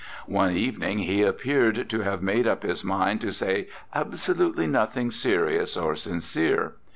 One evening he appeared to have made up his mind to say absolutely nothing serious or sincere.